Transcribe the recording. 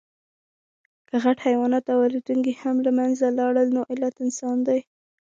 که غټ حیوانات او الوتونکي هم له منځه لاړل، نو علت انسان دی.